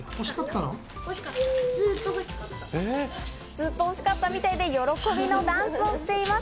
ずっと欲しかったみたいで、喜びのダンスをしています。